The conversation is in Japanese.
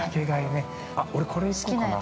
◆あっ、俺、これ行こうかな。